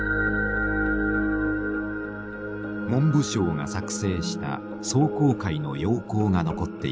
文部省が作成した壮行会の要綱が残っています。